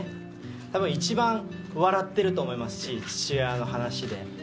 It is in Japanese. たぶん一番、笑ってると思いますし、父親の話で。